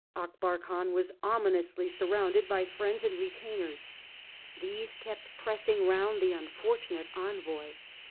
Akbar Khan was ominously surrounded by friends and retainers. These kept pressing round the unfortunate envoy.